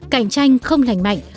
cạnh tranh không lành mạnh